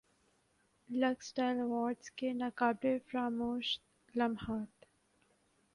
looks style award کے ناقابل فراموش لمحات